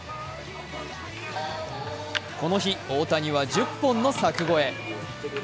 この日、大谷は１０本の柵越え。